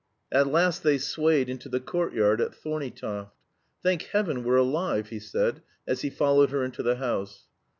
At last they swayed into the courtyard at Thorneytoft. "Thank heaven we're alive!" he said, as he followed her into the house.